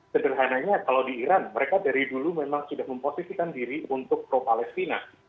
sederhananya kalau di iran mereka dari dulu memang sudah memposisikan diri untuk pro palestina